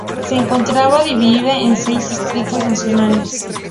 Se encontraba dividida en seis distritos nacionales.